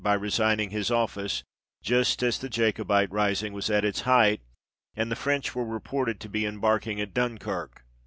by resigning his office, just as the Jacobite rising was at its height and the French were reported to be embarking at Dunkirk.